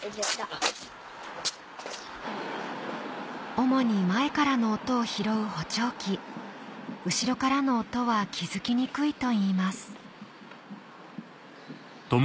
主に前からの音を拾う補聴器後ろからの音は気付きにくいといいます